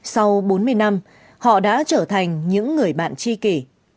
sau bốn mươi năm họ đã trở thành những người bạn chi kỷ